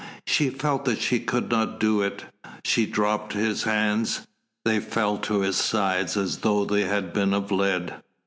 She felt that she could not do it. She dropped his hands. They fell to his sides as though they had been of lead.